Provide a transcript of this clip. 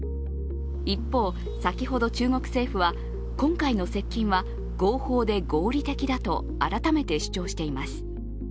一方、先ほど中国政府は今回の接近は合法で合理的だと改めて主張しています。